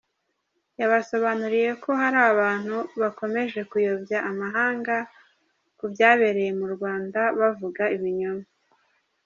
Yabasobanuriye ko hari abantu bakomeje kuyobya amahanga ku byabereye mu Rwanda bavuga ibinyoma.